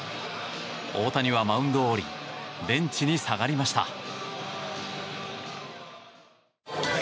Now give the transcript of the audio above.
大谷はマウンドを降りベンチに下がりました。